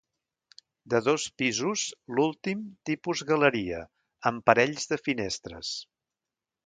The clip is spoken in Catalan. De dos pisos, l'últim tipus galeria, amb parells de finestres.